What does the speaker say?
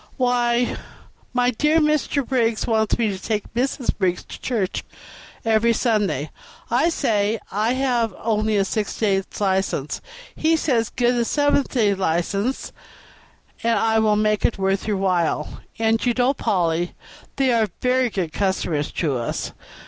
"Why, my dear, Mr. Briggs wants me to take Mrs. Briggs to church every Sunday morning. I say I have only a six days' license. He says, 'Get a seven days' license, and I'll make it worth your while;' and you know, Polly, they are very good customers to us.